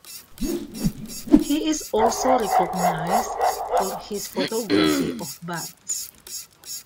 He is also recognized for his photography of bats.